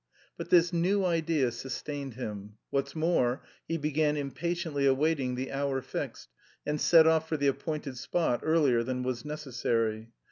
But this new idea sustained him; what's more, he began impatiently awaiting the hour fixed, and set off for the appointed spot earlier than was necessary.